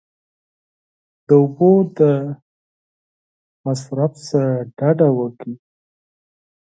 د اوبو د مصرف څخه ډډه وکړئ !